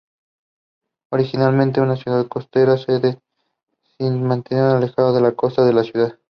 Originalmente una ciudad costera, la sedimentación alejó la costa de la ciudad.